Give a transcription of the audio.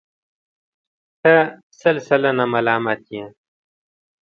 ته سل سلنه ملامت یې.